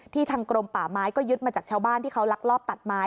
ทางกรมป่าไม้ก็ยึดมาจากชาวบ้านที่เขาลักลอบตัดไม้